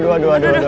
aduh aduh aduh aduh